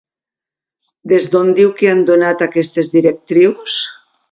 Des d'on diu que han donat aquestes directrius?